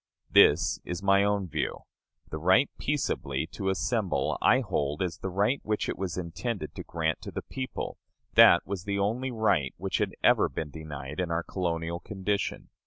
This is my own view. The right peaceably to assemble, I hold as the right which it was intended to grant to the people; that was the only right which had ever been denied in our colonial condition.